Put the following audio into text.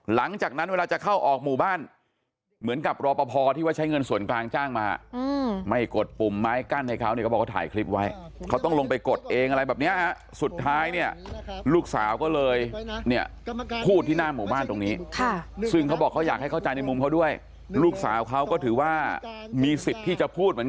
หลังจากนั้นเวลาจะเข้าออกหมู่บ้านเหมือนกับรอปภที่ว่าใช้เงินส่วนกลางจ้างมาไม่กดปุ่มไม้กั้นให้เขาเนี่ยเขาบอกเขาถ่ายคลิปไว้เขาต้องลงไปกดเองอะไรแบบเนี้ยฮะสุดท้ายเนี่ยลูกสาวก็เลยเนี่ยพูดที่หน้าหมู่บ้านตรงนี้ซึ่งเขาบอกเขาอยากให้เข้าใจในมุมเขาด้วยลูกสาวเขาก็ถือว่ามีสิทธิ์ที่จะพูดเหมือน